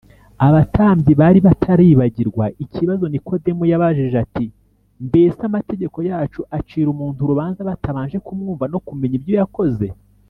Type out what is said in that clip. abatambyi bari bataribagirwa ikibazo nikodemu yabajije ati, “mbese amategeko yacu acira umuntu urubanza, batabanje kumwumva no kumenya ibyo yakoze?”